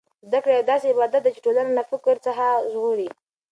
زده کړه یو داسې عبادت دی چې ټولنه له فقر څخه ژغوري.